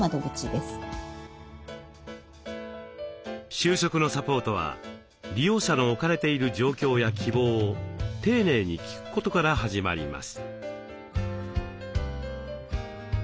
就職のサポートは利用者の置かれている状況や希望を丁寧に聞くことから始まります。